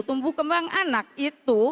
tumbuh kembang anak itu